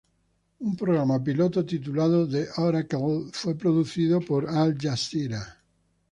Un programa piloto titulado "The Oracle" fue producido por Al-Jazeera.